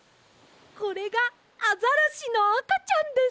これがアザラシのあかちゃんです。